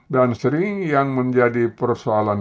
dan sering yang menjadi persoalan